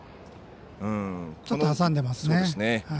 ちょっと、挟んでますね。